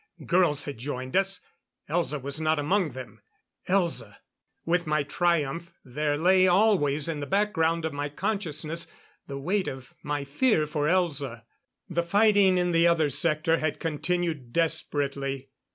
Girls had joined us ... Elza was not among them ... Elza! With my triumph there lay always in the background of my consciousness the weight of my fear for Elza.... The fighting in the other sector had continued desperately.